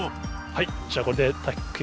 はい。